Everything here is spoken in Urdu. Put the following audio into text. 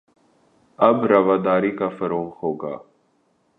اب رواداری کا فروغ ہو گا